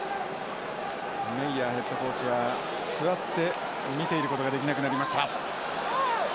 メイヤーヘッドコーチは座って見ていることができなくなりました。